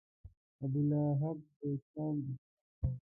ابولهب د اسلام دښمن و.